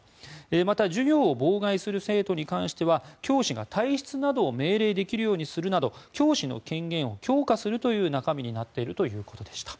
また、授業を妨害する生徒に関しては教師が退出などを命令できるようにするなど教師の権限を強化するという中身になっているということでした。